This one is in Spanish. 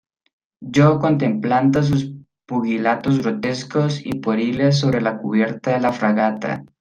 yo contemplando sus pugilatos grotescos y pueriles sobre la cubierta de la fragata